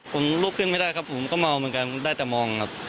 ผมลุกขึ้นไม่ได้ครับผมก็เมาเหมือนกันได้แต่มองครับ